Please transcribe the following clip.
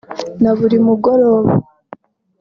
na buri mugoroba